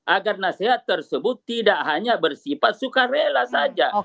agar nasihat tersebut tidak hanya bersifat sukarela saja